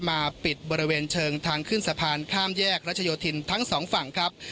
มาปิดบริเวณเชิงทางขึ้นสะพานข้ามแยกรัชโยธินทั้งสองฝั่งครับ